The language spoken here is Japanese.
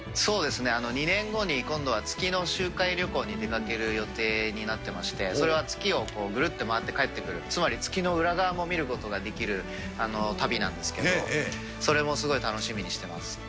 ２年後に、今度は月の周回旅行に出かける予定になっていまして、それは月をぐるって回って帰ってくる、つまり月の裏側も見ることができる旅なんですけど、それもすごい楽しみにしてます。